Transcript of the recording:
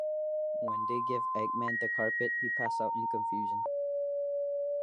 When they give Eggman the carpet, he passes out in confusion.